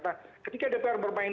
nah ketika dpr bermain aman seperti ini